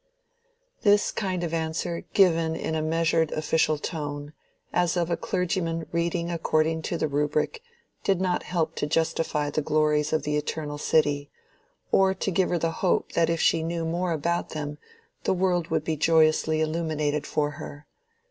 This kind of answer given in a measured official tone, as of a clergyman reading according to the rubric, did not help to justify the glories of the Eternal City, or to give her the hope that if she knew more about them the world would be joyously illuminated for her.